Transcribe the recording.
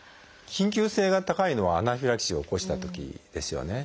緊急性が高いのはアナフィラキシーを起こしたときですよね。